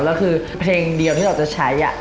แล้วคือเพลงเดียวที่เราจะใช้